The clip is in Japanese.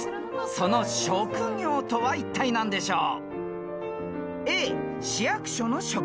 ［その職業とはいったい何でしょう？］